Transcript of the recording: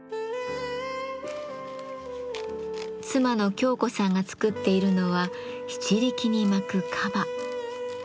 妻の京子さんが作っているのは篳篥に巻く樺。